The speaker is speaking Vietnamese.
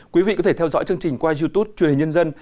quý vị có thể theo dõi chương trình qua youtube truyền hình nhân dân